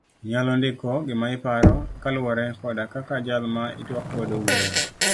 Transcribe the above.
Inyalo ndiko gima iparo e kaluowore koda kaka jal ma itwak godo wuoyo.